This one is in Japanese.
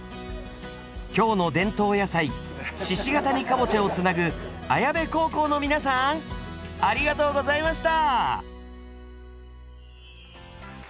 京の伝統野菜鹿ケ谷かぼちゃをつなぐ綾部高校の皆さんありがとうございました！